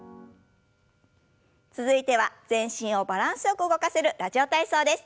続いては全身をバランスよく動かせる「ラジオ体操」です。